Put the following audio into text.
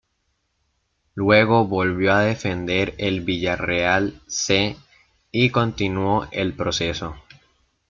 Luego volvió a defender el Villarreal "C" y continuó el proceso.